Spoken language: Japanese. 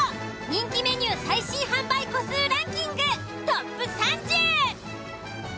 人気メニュー最新販売個数ランキング